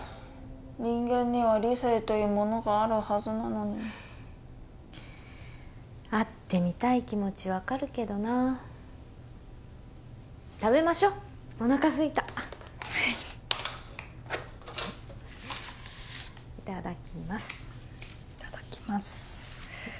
人間には理性というものがあるはずなのに会ってみたい気持ち分かるけどな食べましょうおなかすいたはいいただきますいただきます